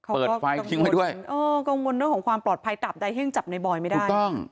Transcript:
เปิดไฟล์ทิ้งไปด้วย